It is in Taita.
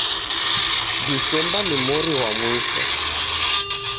Disemba ni mori ghwa mwisho.